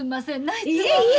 いえいえ。